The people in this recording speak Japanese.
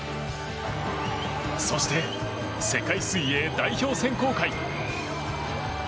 そして、世界水泳代表選考会。